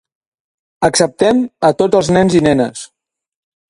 Acceptem a tots els nens i nenes.